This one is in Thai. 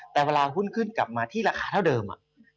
แต่เวลาหุ้นขึ้นกลับมาที่ราคาเท่าเดิมอะ